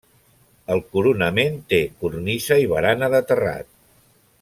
El coronament té cornisa i barana de terrat.